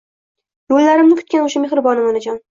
Yullarimni kutgan usha mexribonim Onajon